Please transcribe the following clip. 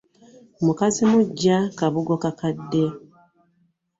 Mukazzi muggya kabugo kakadde .